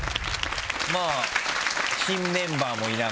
まぁ新メンバーもいながら。